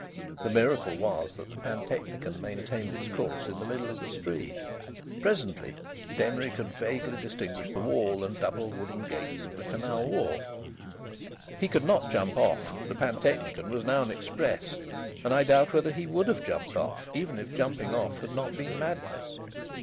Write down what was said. The miracle was that the pantechnicon maintained its course in the middle of the street. Presently Denry could vaguely distinguish the wall and double wooden gates of the canal wharf. He could not jump off; the pantechnicon was now an express, and I doubt whether he would have jumped off, even if jumping off had not been madness.